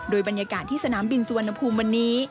โดยบรรยากาศที่สนามบินสุวรรณภูมิวันนี้